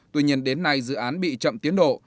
tuy nhiên đến nay dự án bị chậm tiến độ